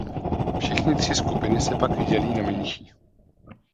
Všechny tři skupiny se pak dělí na menší.